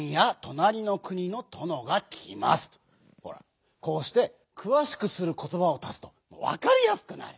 ほらこうして「くわしくすることば」を足すとわかりやすくなる！